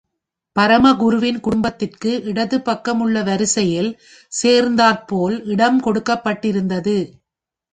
பரமகுருவின் குடும்பத்திற்கு இடதுபக்கம் உள்ள வரிசையில் சேர்ந்தாற்போல் இடம் கொடுக்கப்பட்டிருந்தது.